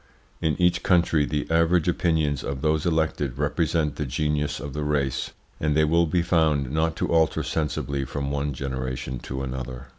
In each country the average opinions of those elected represent the genius of the race, and they will be found not to alter sensibly from one generation to another.